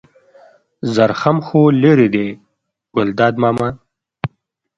زرخم خو لېرې دی ګلداد ماما.